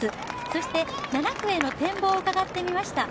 そして、７区への展望を伺ってみました。